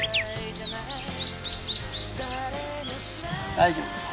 大丈夫。